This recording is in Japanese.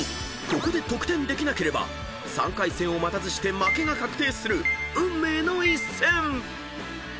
ここで得点できなければ３回戦を待たずして負けが確定する運命の１戦！］